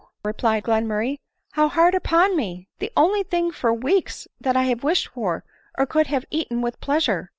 replied Glenmurray, "how hard upon me ! the only, thing for weeks that I have wished for, or could have eaten with pleasure